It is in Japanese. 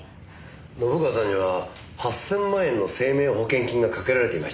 信川さんには８０００万円の生命保険金が掛けられていましたよねえ。